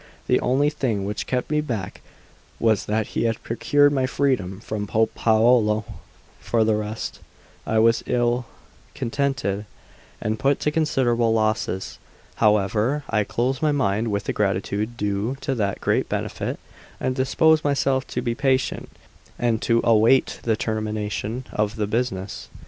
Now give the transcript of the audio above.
The only thing which kept me back was that he had procured my freedom from Pope Paolo; for the rest, I was ill contented and put to considerable losses. However, I clothed my mind with the gratitude due to that great benefit, and disposed myself to be patient and to await the termination of the business.